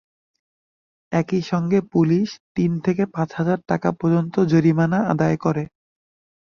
একই সঙ্গে পুলিশ তিন থেকে পাঁচ হাজার টাকা পর্যন্ত জরিমানা আদায় করে।